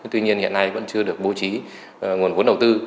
tuy nhiên hiện nay vẫn chưa được bố trí nguồn vốn đầu tư